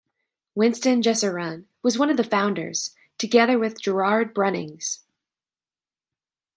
Winston Jessurun was one of the founders, together with Gerard Brunings.